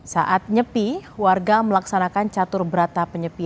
saat nyepi warga melaksanakan catur berata penyepian